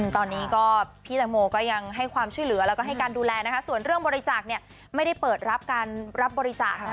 ตอนนี้ก็พี่แตงโมก็ยังให้ความช่วยเหลือแล้วก็ให้การดูแลนะคะส่วนเรื่องบริจาคเนี่ยไม่ได้เปิดรับการรับบริจาคนะคะ